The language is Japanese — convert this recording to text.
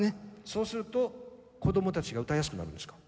そうすると子供たちが歌いやすくなるんですか？